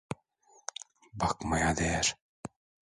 Bakmaya değer.